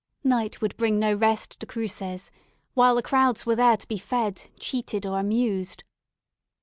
Night would bring no rest to Cruces, while the crowds were there to be fed, cheated, or amused.